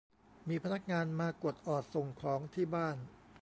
มีพนักงานมากดออดส่งของที่บ้าน